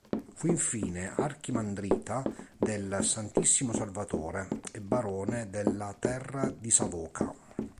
Fu infine archimandrita del Santissimo Salvatore e barone della "Terra di Savoca".